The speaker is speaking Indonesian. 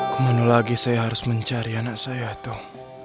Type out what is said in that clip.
kemana lagi saya harus mencari anak saya tuh